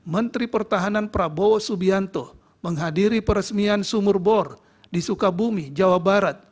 menteri pertahanan prabowo subianto menghadiri peresmian sumur bor di sukabumi jawa barat